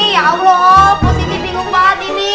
ya allah positif bingung banget ini